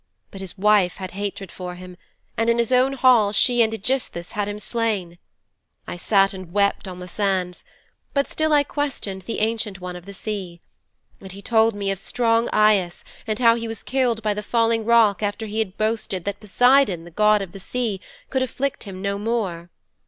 But his wife had hatred for him, and in his own hall she and Ægisthus had him slain. I sat and wept on the sands, but still I questioned the Ancient One of the Sea. And he told me of strong Aias and how he was killed by the falling rock after he had boasted that Poseidon, the god of the Sea, could afflict him no more.